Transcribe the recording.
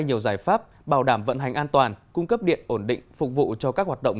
nhiều giải pháp bảo đảm vận hành an toàn cung cấp điện ổn định phục vụ cho các hoạt động